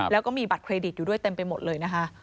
แล้วก็มีบัตรเครดิตอยู่ด้วยเต็มไปหมดเลยนะคะ